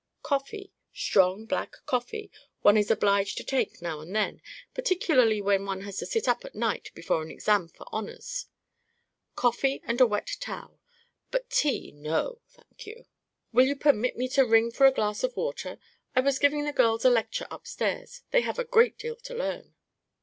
Coffee, strong black coffee, one is obliged to take now and then, particularly when one has to sit up at night before an exam. for honors. Coffee and a wet towel; but tea—no, thank you. Will you permit me to ring for a glass of water? I was giving the girls a lecture upstairs; they have a great deal to learn."